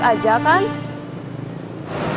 kamu baik banget